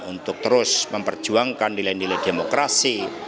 untuk terus memperjuangkan nilai nilai demokrasi